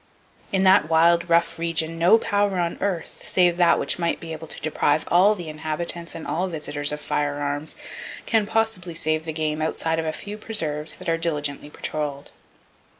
In that wild, rough region, no power on earth,—save that which might be able to deprive all the inhabitants and all visitors of firearms,—can possibly save the game outside of a few preserves that are diligently patroled.